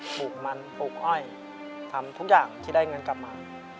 ปลูกมันปลูกอ้อยทำทุกอย่างที่ได้เงินกลับมา